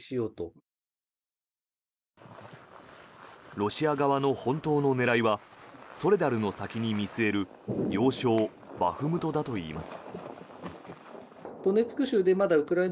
ロシア側の本当の狙いはソレダルの先に見据える要衝バフムトだといいます。